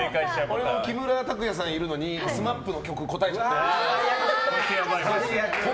俺は木村拓哉さんいるのにＳＭＡＰの曲答えちゃって。